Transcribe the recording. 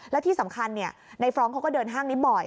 และที่สำคัญในฟรองก์เขาก็เดินห้างนี้บ่อย